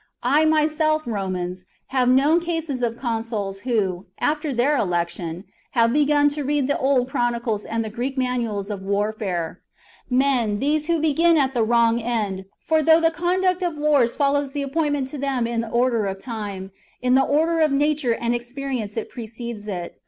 I myself, Romans, have known cases of consuls who, after their election, have begun to read the old chronicles and the Greek manuals of warfare; men, these, who begin at the wrong end, for though the conduct of wars follows the appointment to them in order of time, in the order of nature and experience it precedes it.